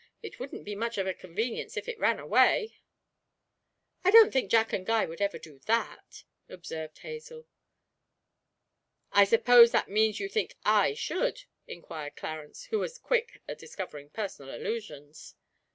'It wouldn't be much of a convenience if it ran away.' 'I don't think Jack and Guy would ever do that,' observed Hazel. 'I suppose that means that you think I should?' inquired Clarence, who was quick at discovering personal allusions.